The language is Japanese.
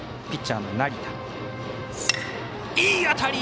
ピッチャーの成田。